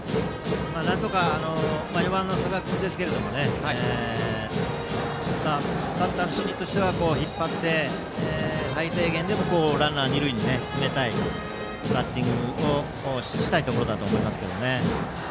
４番の寿賀君ですけどバッターの心理としては引っ張って最低限でも二塁に進めたいバッティングをしたいところだと思いますけどね。